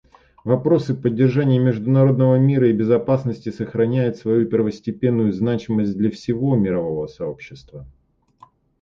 Вопросы поддержания международного мира и безопасности сохраняют свою первостепенную значимость для всего мирового сообщества.